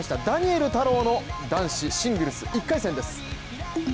ダニエル太郎の男子シングルス１回戦です。